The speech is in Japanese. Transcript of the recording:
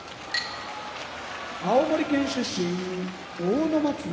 青森県出身阿武松部屋